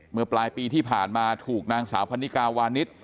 เมื่อปลายปีที่ผ่านมาถูกนางสาวพันนิกาวานิส